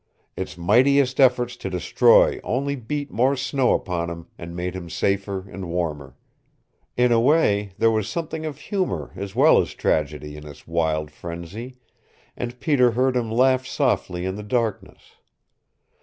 Its mightiest efforts to destroy only beat more snow upon him, and made him safer and warmer. In a way, there was something of humor as well as tragedy in its wild frenzy, and Peter heard him laugh softly in the darkness.